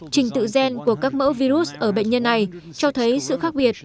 trình tự gen của các mẫu virus ở bệnh nhân này cho thấy sự khác biệt